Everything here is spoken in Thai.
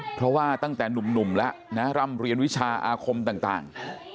เพราะว่าตั้งแต่หนุ่มแล้วนะร่ำเรียนวิชาอาคมต่าง